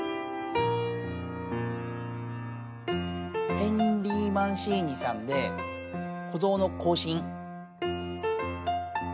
ヘンリー・マンシーニさんで、子象の行進。